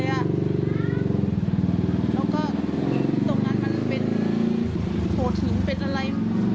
แล้วก็ตรงนั้นมันเป็นโขดหินเป็นอะไร